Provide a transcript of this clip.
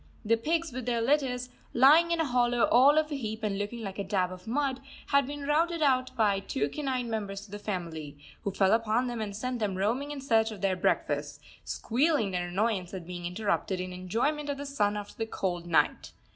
The pigs with their litters, lying in a hollow all of a heap and looking like a dab of mud, had been routed out by the two canine members of the family, who fell upon them and sent them roaming in search of their breakfasts, squealing their annoyance at being interrupted in enjoyment of the sun after the cold night.